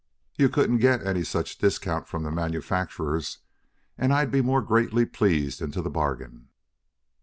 You couldn't get any such discount from the manufacturers, and I'd be more greatly pleased into the bargain.